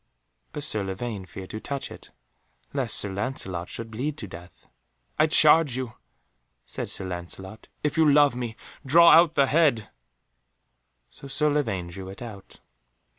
But Sir Lavaine feared to touch it, lest Sir Lancelot should bleed to death. "I charge you," said Sir Lancelot, "if you love me, draw out the head," so Sir Lavaine drew it out.